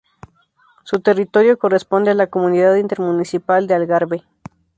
Su territorio corresponde a la comunidad intermunicipal de Algarve.